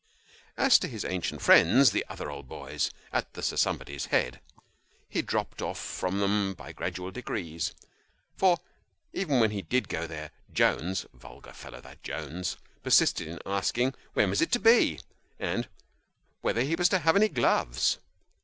As to his ancient friends, the other old boys, at the Sir Somebody's Head, he dropped off from them by gradual degrees ; for, even when he did go there, Jones vulgar fellow that Jones persisted in asking " when it was to be ?" and " whether he was to have any gloves